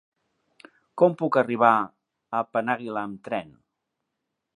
Com puc arribar a Penàguila amb tren?